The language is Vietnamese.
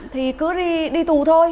thì cứ đi tù thôi